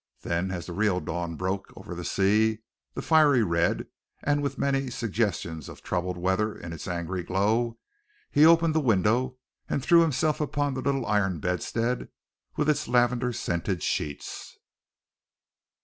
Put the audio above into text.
Then, as the real dawn broke over the sea, a fiery red, and with many suggestions of troubled weather in its angry glow, he opened the window and threw himself upon the little iron bedstead with its lavender scented sheets.